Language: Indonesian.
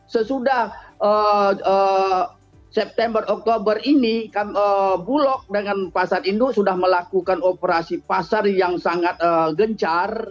sesudah september oktober ini bulog dengan pasar indo sudah melakukan operasi pasar yang sangat gencar